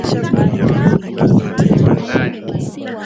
Alijeruhiwa vibaya na walinzi wa Karume